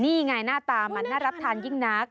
นี่ไงหน้าตามันน่ารับทานยิ่งนัก